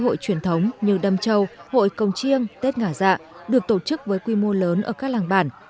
lễ hội truyền thống như đâm châu hội công chiêng tết ngả dạ được tổ chức với quy mô lớn ở các làng bản